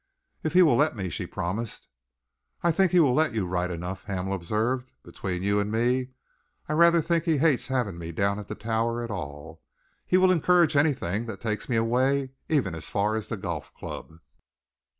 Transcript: "If he will let me," she promised. "I think he will let you, right enough," Hamel observed. "Between you and me, I rather think he hates having me down at the Tower at all. He will encourage anything that takes me away, even as far as the Golf Club."